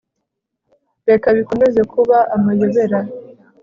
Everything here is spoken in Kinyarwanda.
reka bikomeze kuba amayobera